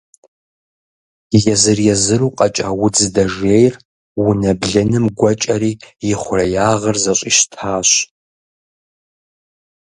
Езыр-езыру къэкӏа удз дэжейр унэ блыным гуэкӏэри и хъуреягъыр зэщӏищтащ.